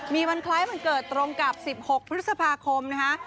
มีวันคล้ายวันเกิดตรงกับ๑๖พฤษภาคมนะคะ